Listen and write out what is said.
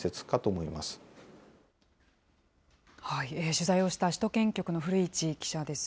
取材をした首都圏局の古市記者です。